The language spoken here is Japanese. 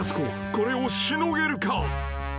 これをしのげるか？］